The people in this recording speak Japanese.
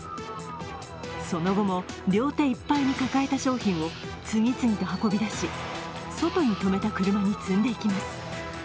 その後も両手いっぱいに抱えた商品を次々と運び出し、外に止めた車に積んでいきます。